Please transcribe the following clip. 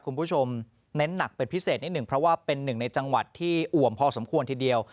คุณผู้ชมเน้นหนักเป็นพิเศษนิดหนึ่งเพราะว่าเป็นหนึ่งในจังหวัดที่อ่วมพอสมควรทีเดียว